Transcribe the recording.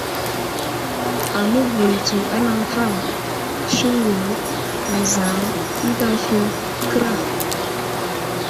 Aməvəlsto anay ham : Siŋgu, Wuzam ənta slu kəra.